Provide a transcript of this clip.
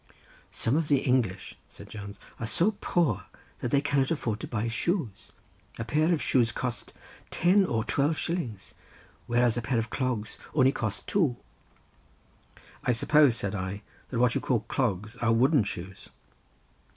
"Some of the English," said Jones, "are so poor that they cannot afford to buy shoes; a pair of shoes cost ten or twelve shillings, whereas a pair of clogs cost only two." "I suppose," said I, "that what you call clogs are wooden shoes."